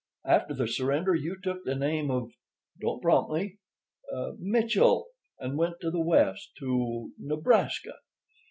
After the surrender, you took the name of—don't prompt me—Mitchell, and went to the West—to Nebraska."